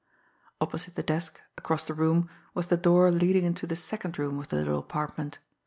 Opposite the desk, across the room, was the door leading into the second room of the little apartment.